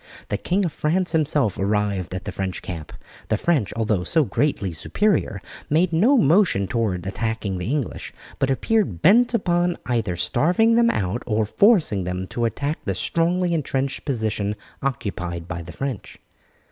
The King of France himself arrived at the French camp. The French, although so greatly superior, made no motion toward attacking the English, but appeared bent upon either starving them out or forcing them to attack the strongly entrenched position occupied by the French.